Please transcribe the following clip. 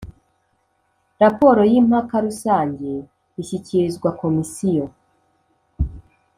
Raporo y impaka rusange ishyikirizwa Komisiyo